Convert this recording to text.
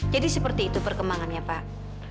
jadi seperti itu perkembangannya pak